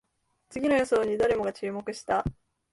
次の予想に誰もが注目した